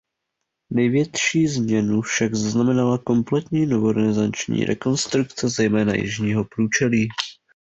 Největší změnu však znamenala kompletní novorenesanční rekonstrukce zejména jižního průčelí.